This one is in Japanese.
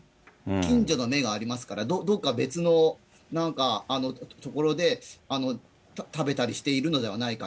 近所の目がありますから、どっか別の、なんか、ところで食べたりしているのではないか。